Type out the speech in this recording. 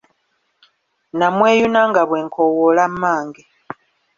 Namweyuna nga bwe nkoowoola mmange.